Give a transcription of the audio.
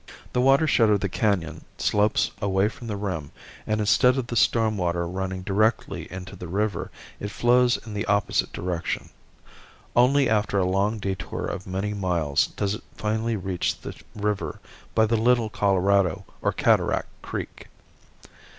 The watershed of the canon slopes away from the rim and instead of the storm water running directly into the river it flows in the opposite direction. Only after a long detour of many miles does it finally reach the river by the Little Colorado or Cataract Creek.